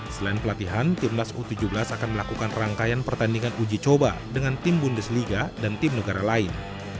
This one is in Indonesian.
selain pelatihan timnas u tujuh belas akan melakukan rangkaian pertandingan uji coba dengan tim bundesliga dan tim negara lain